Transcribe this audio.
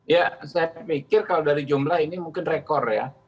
ya saya pikir kalau dari jumlah ini mungkin rekor ya